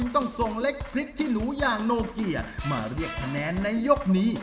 ต้องส่งเล็กพริกขี้หนูอย่างโนเกียมาเรียกคะแนนในยกนี้